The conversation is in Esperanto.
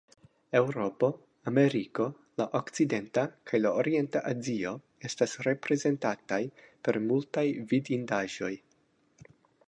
Eŭropo, Ameriko, La Okcidenta kaj la Orienta Azio estas reprezentataj per multaj vidindaĵoj.